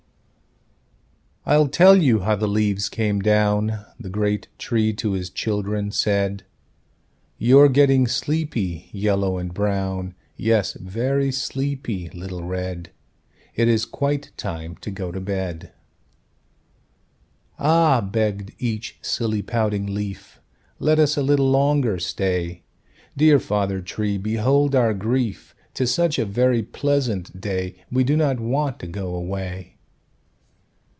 "I'll tell you how the leaves came down," The great Tree to his children said: "You're getting sleepy, Yellow and Brown, Yes, very sleepy, little Red. It is quite time to go to bed." "Ah!" begged each silly, pouting leaf, "Let us a little longer stay; Dear Father Tree, behold our grief! 'Tis such a very pleasant day, We do not want to go away."